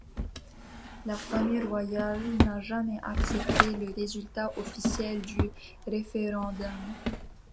La famille royale n’a jamais accepté le résultat officiel du référendum.